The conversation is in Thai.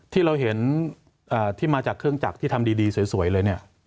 ที่เราเห็นที่มาจากเครื่องจักรที่ทำดีสวยเลยเนี่ย